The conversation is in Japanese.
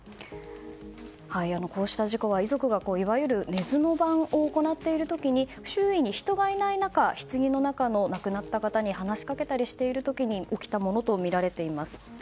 こうした事故は遺族がいわゆる寝ずの番を行っている時に周囲に人がいない中棺の中の亡くなった方に話しかけている際に起きたものとみられています。